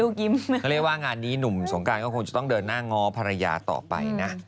เขาเรียกว่างานนี้หนุ่มสงการก็คงจะต้องเดินหน้าง้อภรรยาต่อไปนะ